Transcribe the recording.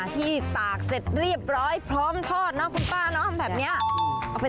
ที่ตากเสร็จเรียบร้อยพร้อมทอดเนอะคุณป้าเนาะแบบนี้